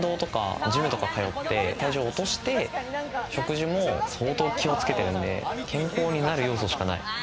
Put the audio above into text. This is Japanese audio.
僕、最近運動とかジムとか通って体重落として食事も相当気をつけてるので、健康になる要素しかない。